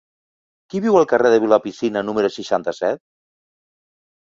Qui viu al carrer de Vilapicina número seixanta-set?